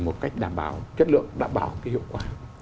một cách đảm bảo chất lượng đảm bảo cái hiệu quả